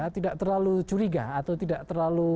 tidak terlalu curiga atau tidak terlalu